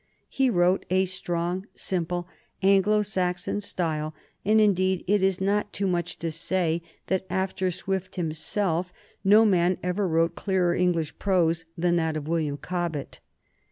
He wrote a strong, simple Anglo Saxon style, and indeed it is not too much to say that, after Swift himself, no man ever wrote clearer English prose than that of William Cobbett.